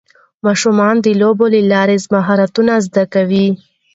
ماشومان د لوبو له لارې مهارتونه زده کوي